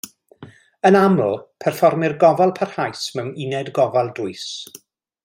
Yn aml, perfformir gofal parhaus mewn uned gofal dwys.